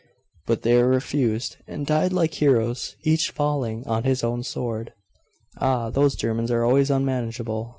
'But they refused, and died like heroes, each falling on his own sword.' 'Ah those Germans are always unmanageable.